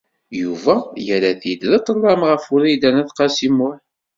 Yuba yerra-t-id d ṭṭlem ɣef Wrida n At Qasi Muḥ.